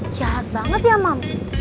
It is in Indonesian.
ih jahat banget ya mam